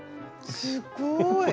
すっごい。